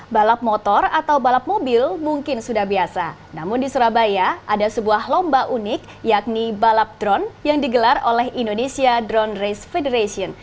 balap motor atau balap mobil mungkin sudah biasa namun di surabaya ada sebuah lomba unik yakni balap drone yang digelar oleh indonesia drone race federation